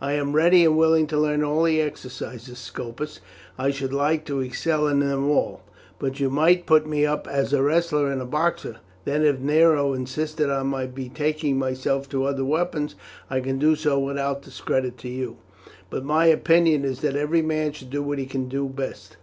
"I am ready and willing to learn all the exercises, Scopus I should like to excel in them all but you might put me up as a wrestler and boxer; then if Nero insisted on my betaking myself to other weapons, I could do so without discredit to you. But my opinion is that every man should do what he can do best.